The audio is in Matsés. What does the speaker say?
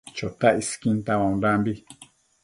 Chotac isquin tauaondambi